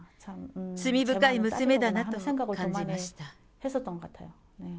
罪深い娘だなと感じました。